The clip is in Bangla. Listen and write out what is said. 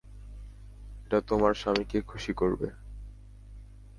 এটা তোমার স্বামীকে খুশি করবে।